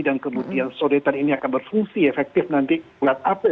dan kemudian solidaritas ini akan berfungsi efektif nanti bulat april ya